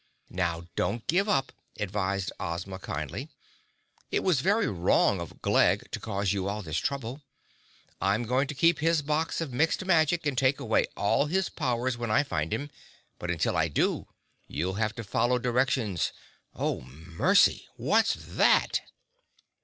"Now, don't give up," advised Ozma kindly. "It was very wrong of Glegg to cause you all this trouble. I'm going to keep his box of Mixed Magic and take away all his powers when I find him, but until I do, you'll have to follow directions. Oh mercy! What's that?"